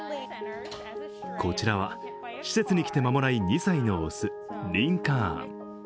こちらは施設に来て間もない２歳の雄、リンカーン。